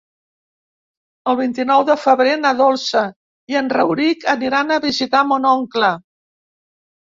El vint-i-nou de febrer na Dolça i en Rauric aniran a visitar mon oncle.